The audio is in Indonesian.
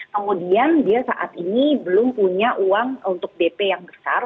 kemudian dia saat ini belum punya uang untuk dp yang besar